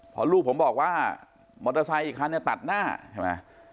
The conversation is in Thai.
พอลูกผมบอกว่ามอเตอร์ไซค์อีกคันเนี่ยตัดหน้าใช่ไหม